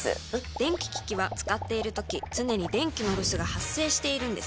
電気機器は使っているとき常に電気のロスが発生しているのです。